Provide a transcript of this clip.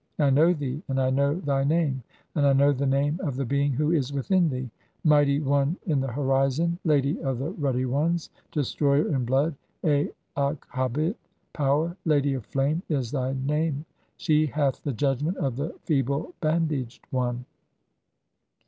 I know thee, and "I know thy name, and I know (60) the name of the being "who is within thee. 'Mighty one in the horizon, lady of the "ruddy ones, destroyer in blood, Aakhabit, Power, lady of flame', "is thy name. She hath the judgment (61) of the feeble band "aged one."